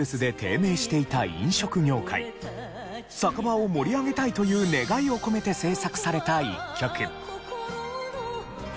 酒場を盛り上げたいという願いを込めて制作された一曲。